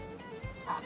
あっ。